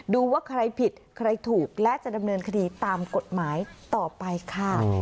ดูว่าใครผิดใครถูกและจะดำเนินคดีตามกฎหมายต่อไปค่ะ